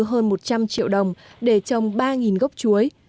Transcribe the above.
hơn một trăm linh triệu đồng để trồng ba gốc chuối